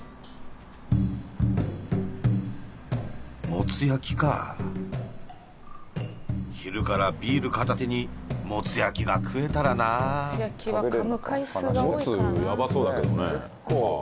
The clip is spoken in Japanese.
もつ焼きか昼からビール片手にもつ焼きが食えたらなああれ？